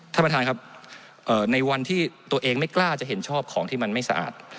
ท่านประธานครับในวันที่ตัวเองไม่กล้าจะเห็นชอบของที่มันไม่สะอาด